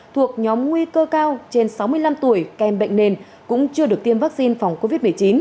thuộc nhóm nguy cơ cao trên sáu mươi năm tuổi kèm bệnh nền cũng chưa được tiêm vaccine phòng covid một mươi chín